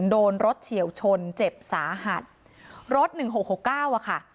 โดนรถเฉียวชนเจ็บสาหัสรถหนึ่งหกหกเก้าอะค่ะ